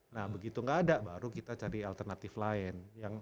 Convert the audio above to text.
nah begitu nggak ada baru kita cari alternatif lain